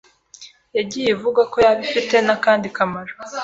yagiye ivugwa ko yaba ifite n'akandi kamaro